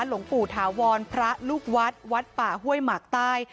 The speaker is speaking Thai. หลวงปู่ถาวรพระลูกวัดวัดป่าห้วยหมากใต้